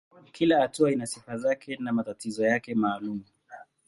Kila hatua ina sifa zake na matatizo yake maalumu.